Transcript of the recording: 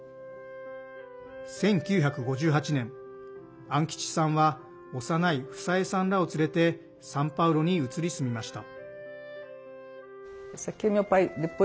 １９５８年、安吉さんは幼い房江さんらを連れてサンパウロに移り住みました。